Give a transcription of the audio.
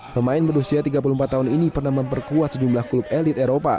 pemain berusia tiga puluh empat tahun ini pernah memperkuat sejumlah klub elit eropa